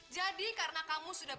jadi karena kamu sudah